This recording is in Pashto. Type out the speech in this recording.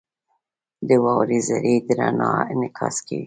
• د واورې ذرې د رڼا انعکاس کوي.